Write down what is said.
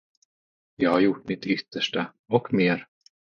Jag har gjort mitt yttersta och mer.